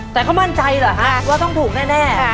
แต่เขามั่นใจเหรอฮะว่าต้องถูกแน่